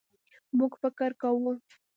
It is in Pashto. مونږ فکر کوو